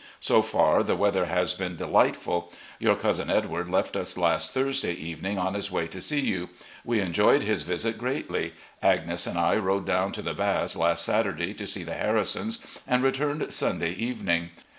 So far, the weather has been dehghtful. Your cousin Edward left us last Thursday evening on his way to see you. We enjoyed his visit greatly. Agnes and I rode down to the Baths last Satur^y to see the Harrisons, and returned Sunday evening.